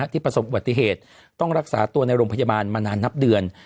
ประสบอุบัติเหตุต้องรักษาตัวในโรงพยาบาลมานานนับเดือน